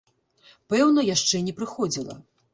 Пэўна, яшчэ не прыходзіла.